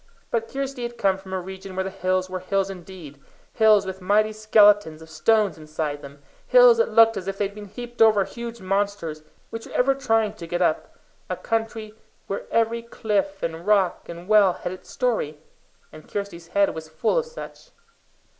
But Kirsty had come from a region where the hills were hills indeed hills with mighty skeletons of stone inside them; hills that looked as if they had been heaped over huge monsters which were ever trying to get up a country where every cliff, and rock, and well had its story and Kirsty's head was full of such.